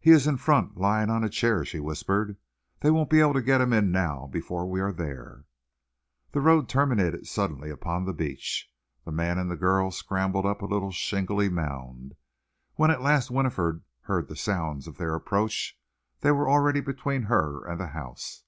"He is in front, lying on a chair," she whispered. "They won't be able to get him in now before we are there." The road terminated suddenly upon the beach. The man and the girl scrambled up a little shingly mound. When at last Winifred heard the sounds of their approach, they were already between her and the house.